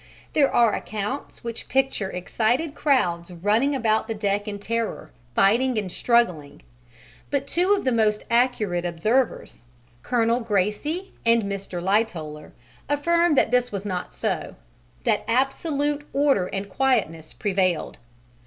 There are accounts which picture excited crowds running about the deck in terror, fighting and struggling, but two of the most accurate observers, Colonel Gracie and Mr. Lightoller, affirm that this was not so, that absolute order and quietness prevailed.